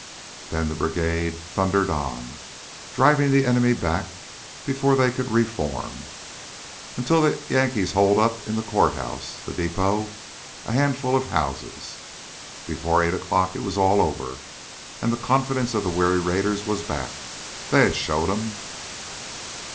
Then the brigade thundered on, driving the enemy back before they could reform, until the Yankees holed up in the courthouse, the depot, a handful of houses. Before eight o'clock it was all over, and the confidence of the weary raiders was back. They had showed 'em!